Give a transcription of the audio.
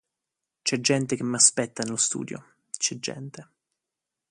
C'è gente che mi aspetta nello studio, c'è gente.